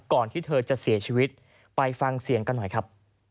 ที่เธอจะเสียชีวิตไปฟังเสียงกันหน่อยครับ